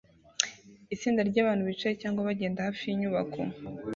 Itsinda ryabantu bicaye cyangwa bagenda hafi yinyubako